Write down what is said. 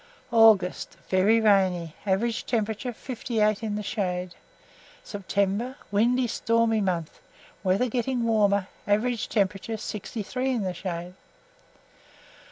AUGUST. Very rainy. Average temperature, 58 in the shade. SEPTEMBER. Windy stormy month; weather getting warmer. Average temperature, 63 in the shade.